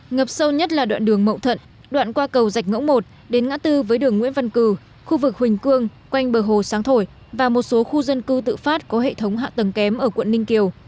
ngập sâu nhất là đoạn đường mậu thận đoạn qua cầu dạch ngỗng một đến ngã tư với đường nguyễn văn cử khu vực huỳnh cương quanh bờ hồ sáng thổi và một số khu dân cư tự phát có hệ thống hạ tầng kém ở quận ninh kiều